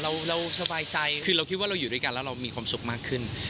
เราสบายใจคือเราคิดว่าเราอยู่ด้วยกันแล้วเรามีความสุขมากขึ้น